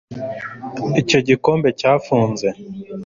icyo kirombe cyafunze